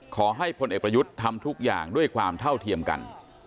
พลเอกประยุทธ์ทำทุกอย่างด้วยความเท่าเทียมกัน